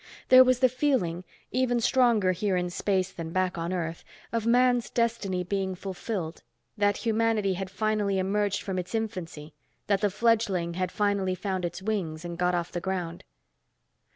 There was the feeling, even stronger here in space than back on Earth, of man's destiny being fulfilled, that humanity had finally emerged from its infancy, that the fledgling had finally found its wings and got off the ground.